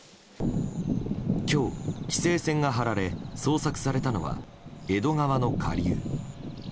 今日、規制線が張られ捜索されたのは江戸川の下流。